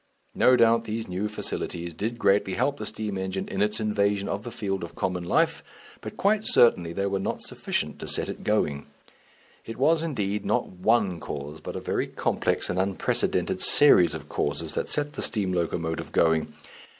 No doubt these new facilities did greatly help the steam engine in its invasion of the field of common life, but quite certainly they were not sufficient to set it going. It was, indeed, not one cause, but a very complex and unprecedented series of causes, that set the steam locomotive going.